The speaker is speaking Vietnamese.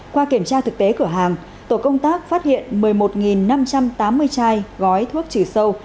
qua kiểm tra thực tế cửa hàng tổ công tác phát hiện một mươi một năm trăm tám mươi chai gói thuốc trừ sâu